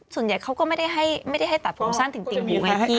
ส่วนใหญ่เขาก็ไม่ได้ให้ตัดผมสั้นจริงหรือไม่ติด